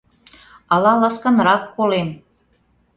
Ала ласканрак колем...